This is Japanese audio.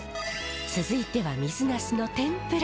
続いては水ナスの天ぷら。